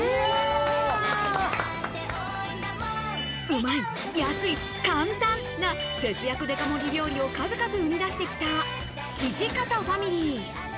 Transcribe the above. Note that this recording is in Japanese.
うまい安い簡単な節約デカ盛り料理を数々生み出してきた土方ファミリー。